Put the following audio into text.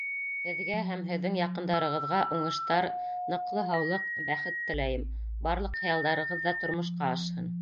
Һеҙгә һәм һеҙҙең яҡындарығыҙға уңыштар, ныҡлы һаулыҡ, бәхет теләйем, барлыҡ хыялдарығыҙ ҙа тормошҡа ашһын!